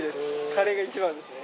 カレーが一番ですね。